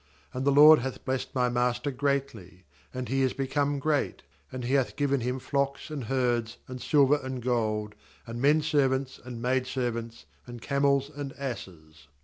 ^And the LORD hath blessed my master greatly; and he is become great; and He hath given him flocks and herds, and silver and gold, and men servants and maid servants, and camels and asses.